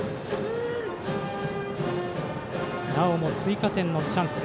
なおも追加点のチャンス。